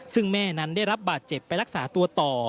ซึ่งแม่นั้นได้รับบาดเจ็บไปรักษาตัวต่อ